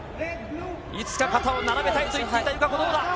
いつか肩を並べたいと言っていた友香子、どうだ。